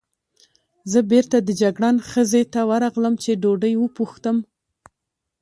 زه بېرته د جګړن خزې ته ورغلم، چې ډوډۍ وپوښتم.